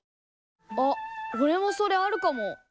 あっおれもそれあるかも。